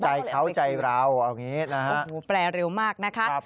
ใจเขาใจเราแปรเร็วมากนะคะ